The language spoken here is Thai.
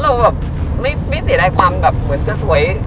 เราแบบไม่เสียดายความแบบเหมือนจะสวย